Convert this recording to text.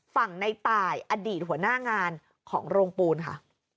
ฝั่งในตายอดีตหัวหน้างานของโรงปูนค่ะ